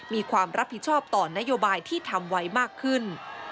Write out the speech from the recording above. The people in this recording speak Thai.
มีความรับผิดชอบต่อนโยบายที่ทำไว้มากขึ้น